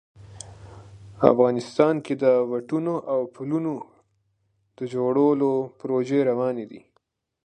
افغانستان کې د واټونو او پلونو د جوړولو پروژې روانې دي